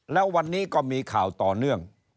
แล้ววันนี้ก็มีข่าวต่อเนื่อง